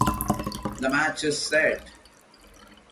The match is set.